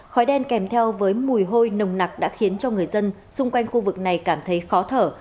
khói đen kèm theo với mùi hôi nồng nặc đã khiến cho người dân xung quanh khu vực này cảm thấy khó thở